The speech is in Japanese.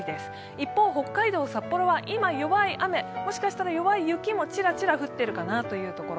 一方、北海道・札幌は今、弱い雨、もしかしたら弱い雪もチラチラ降ってるかなというところ。